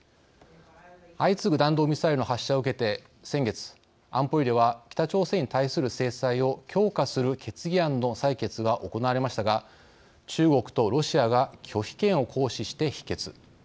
相次ぐ弾道ミサイルの発射を受けて先月安保理では北朝鮮に対する制裁を強化する決議案の採決が行われましたが中国とロシアが拒否権を行使して否決。